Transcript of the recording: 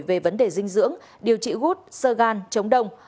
về vấn đề dinh dưỡng điều trị gút sơ gan chống đồng